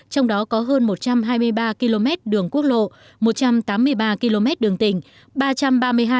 trong đó có hơn một trăm hai mươi ba km đường quốc lộ một trăm tám mươi ba km đường tỉnh